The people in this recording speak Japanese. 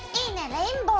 レインボー。